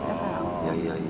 いやいやいや。